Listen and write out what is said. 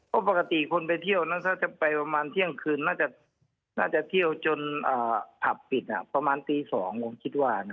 เพราะปกติคนไปเที่ยวน่าจะไปประมาณเที่ยงคืนน่าจะเที่ยวจนอ่าผับปิดอ่ะประมาณตีสองผมคิดว่าน่ะ